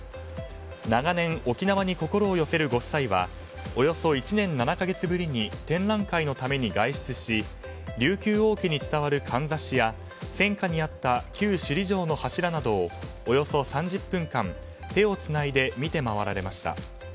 長年、沖縄に心を寄せるご夫妻はおよそ１年７か月ぶりに展覧会のために外出し琉球王家に伝わるかんざしや戦火に遭った旧首里城の柱などをおよそ３０分間手をつないで見て回られました。